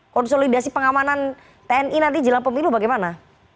konsolidasi pengamanan tni nanti jelang pemilu bagaimana